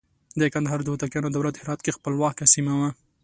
د کندهار د هوتکیانو دولت هرات کې خپلواکه سیمه وه.